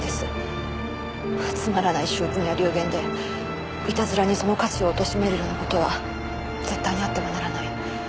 つまらない醜聞や流言でいたずらにその価値を貶めるような事は絶対にあってはならない。